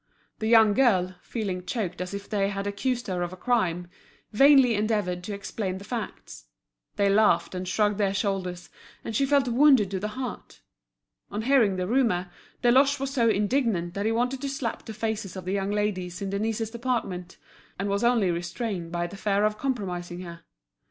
The young girl, feeling choked as if they had accused her of a crime, vainly endeavoured to explain the facts. They laughed and shrugged their shoulders, and she felt wounded to the heart. On hearing the rumour, Deloche was so indignant that he wanted to slap the faces of the young ladies in Denise's department; and was only restrained by the fear of compromising her.